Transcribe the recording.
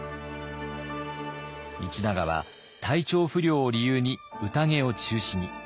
道長は体調不良を理由に宴を中止に。